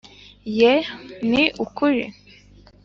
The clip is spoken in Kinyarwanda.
yee ni ukuri